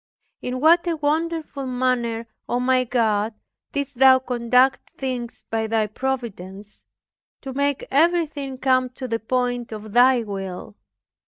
In what a wonderful manner, O my God, didst Thou conduct things by Thy Providence, to make everything come to the point of Thy will!